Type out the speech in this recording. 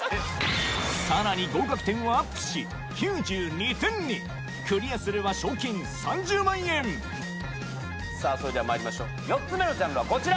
さらに合格点をアップし９２点にクリアすれば賞金３０万円さぁそれではまいりましょう４つ目のジャンルはこちら！